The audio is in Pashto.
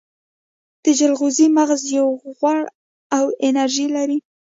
د جلغوزیو مغز ډیر غوړ او انرژي لري.